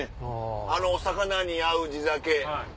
あのお魚に合う地酒。